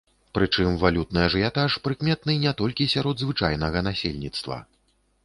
Прычым валютны ажыятаж прыкметны не толькі сярод звычайнага насельніцтва.